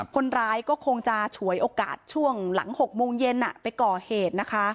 คนร้ายก็คงจะฉวยโอกาสช่วงหลัง๖โมงเย็นไปก่อเหตุนะคะ